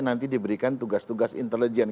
nanti diberikan tugas tugas intelijen